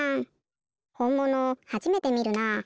ほんものはじめてみるなあ。